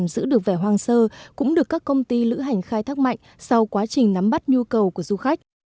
sơ cũng được các công ty lữ hành khai thác mạnh sau quá trình nắm bắt nhu cầu của du khách